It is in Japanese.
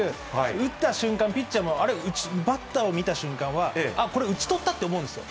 打った瞬間、ピッチャーも、あれ、バッターを見た瞬間は、あ、これ、打ち取ったって思うんですよ。